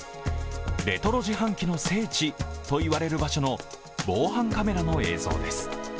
レトロ自販機の聖地といわれる場所の防犯カメラの映像です。